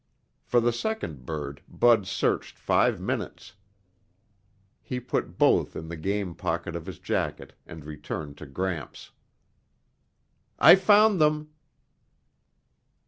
For the second bird Bud searched five minutes. He put both in the game pocket of his jacket and returned to Gramps. "I found them."